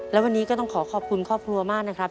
และวันนี้ก็ต้องขอขอบคุณครอบครัวมากนะครับ